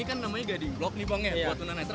ini kan namanya guarding block nih bang ya buat tuna netra